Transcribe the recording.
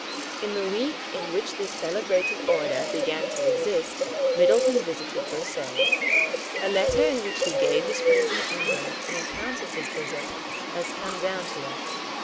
In the week in which this celebrated order began to exist Middleton visited Versailles. A letter in which he gave his friends in England an account of his visit has come down to us.